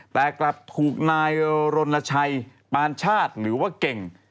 แต่กลับถูกนายรณชัยปานชาติหรือว่าเก่ง